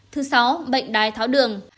thứ sáu bệnh đái tháo đường